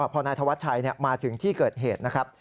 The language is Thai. พอนายธวัชชัยมาถึงที่เกิดเหตุนะครับ